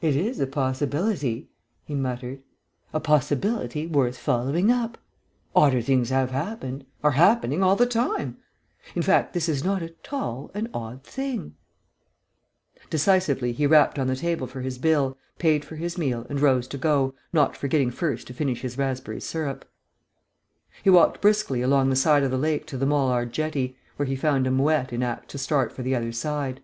"It is a possibility," he muttered. "A possibility, worth following up.... Odder things have happened ... are happening, all the time.... In fact, this is not at all an odd thing...." Decisively he rapped on the table for his bill, paid for his meal, and rose to go, not forgetting first to finish his raspberry syrup. He walked briskly along the side of the lake to the Molard jetty, where he found a mouette in act to start for the other side.